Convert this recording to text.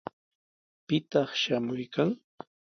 ¿Pitaq shamuykan?